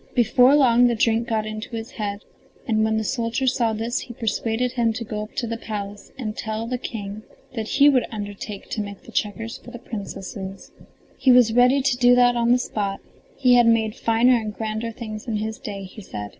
Before long the drink got into his head, and when the soldier saw this he persuaded him to go up to the palace and tell the King that he would undertake to make the checkers for the Princesses. He was ready to do that on the spot; he had made finer and grander things in his day, he said.